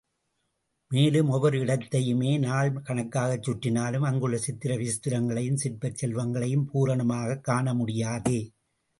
மேலும் ஒவ்வொரு இடத்தையுமே நாள் கணக்காகச் சுற்றினாலும் அங்குள்ள சித்திர விசித்திரங்களையும் சிற்பச் செல்வங்களையும் பூரணமாகக் காண முடியாதே.